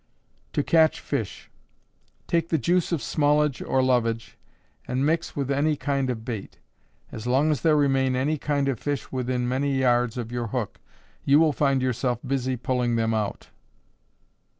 To Catch Fish. Take the juice of smallage or lovage, and mix with any kind of bait. As long as there remain any kind of fish within many yards of your hook, you will find yourself busy pulling them out.